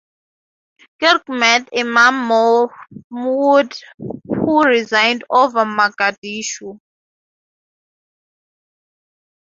Kirk met Imam Mahmood who reigned over Mogadishu.